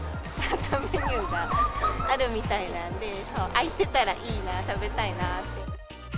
メニューがあるみたいなんで、空いてたらいいな、食べたいなって。